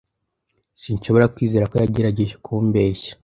Sinshobora kwizera ko yagerageje kumbeshya